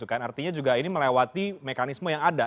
artinya juga ini melewati mekanisme yang ada